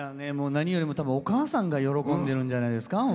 何よりもたぶんお母さんが喜んでるんじゃないですか。